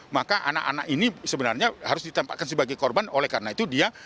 maka anak anak ini sebenarnya harus ditempatkan sebagai korban oleh karena itu dia